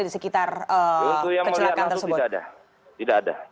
di sekitar kecelakaan tersebut